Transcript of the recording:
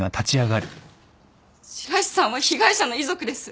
白石さんは被害者の遺族です。